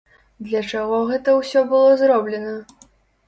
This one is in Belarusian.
Для чаго гэта ўсё было зроблена?